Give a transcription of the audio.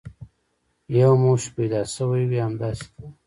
یو موش پیدا شوی وي، همداسې ده.